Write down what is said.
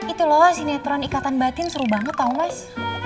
itu loh sinetron ikatan batin seru banget tau mas